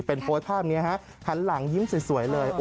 เป็นโพสต์ภาพนี้ฮะหันหลังยิ้มสวยเลย